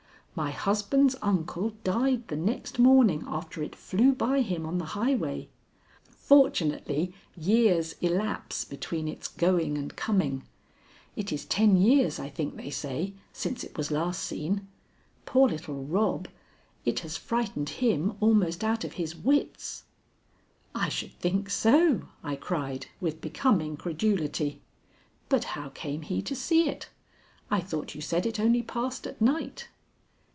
My husband's uncle died the next morning after it flew by him on the highway. Fortunately years elapse between its going and coming. It is ten years, I think they say, since it was last seen. Poor little Rob! It has frightened him almost out of his wits." "I should think so," I cried with becoming credulity. "But how came he to see it? I thought you said it only passed at night."